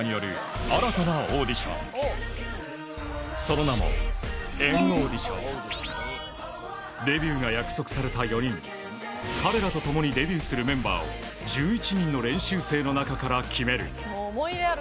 その名もデビューが約束された４人彼らと共にデビューするメンバーを１１人の練習生の中から決めるうわ！